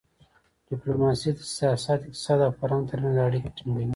ډیپلوماسي د سیاست، اقتصاد او فرهنګ ترمنځ اړیکه ټینګوي.